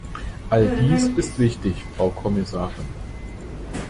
All dies ist wichtig, Frau Kommissarin.